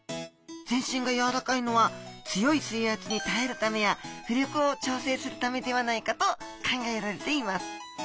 全身がやわらかいのは強い水圧に耐えるためや浮力を調整するためではないかと考えられています。